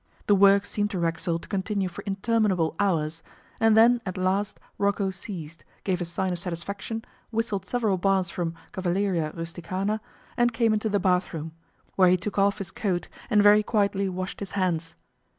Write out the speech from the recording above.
The work seemed to Racksole to continue for interminable hours, and then at last Rocco ceased, gave a sign of satisfaction, whistled several bars from 'Cavalleria Rusticana', and came into the bath room, where he took off his coat, and very quietly washed his hands.